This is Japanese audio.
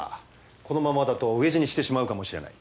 このままだと飢え死にしてしまうかもしれない。